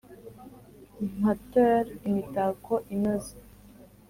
mpateure imitako inoze